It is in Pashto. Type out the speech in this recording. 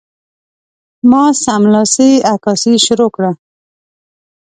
ما سملاسي عکاسي شروع کړه.